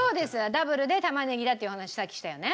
ダブルで玉ねぎだっていう話さっきしたよね？